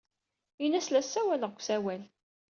Ini-as la ssawaleɣ deg usawal.